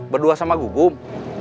berdua sama gugum